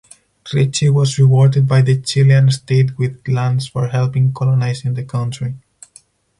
Ricci was rewarded by the Chilean state with lands for helping colonizing the country.